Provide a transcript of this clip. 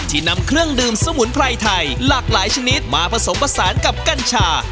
นำเครื่องดื่มสมุนไพรไทยหลากหลายชนิดมาผสมผสานกับกัญชา